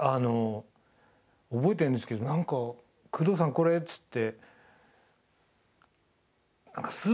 覚えてるんですけど何か「宮藤さんこれ」つって「え！」と思って。